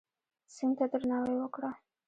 سیند ته درناوی وکړه.